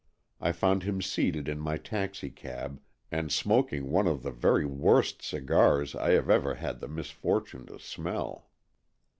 I found him seated in my taxicab, and smoking one of the very worst cigars I have ever had the misfortune to smell.